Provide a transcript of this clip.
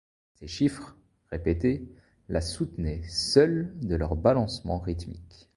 Ces chiffres, répétés, la soutenaient seuls de leur balancement rythmique.